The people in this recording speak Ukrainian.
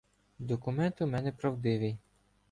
Документ у мене правдивий.